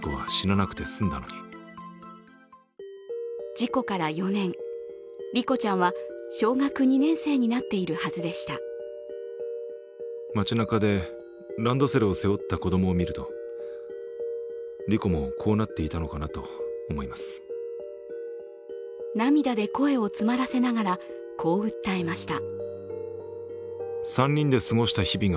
事故から４年、莉子ちゃんは小学２年生になっているはずでした涙で声を詰まらせながら、こう訴えました。